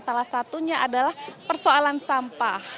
salah satunya adalah persoalan sampah